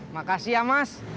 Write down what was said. makasih ya mas